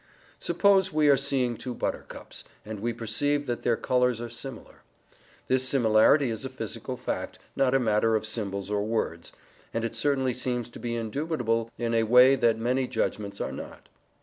Suppose we are seeing two buttercups, and we perceive that their colours are similar. This similarity is a physical fact, not a matter of symbols or words; and it certainly seems to be indubitable in a way that many judgments are not.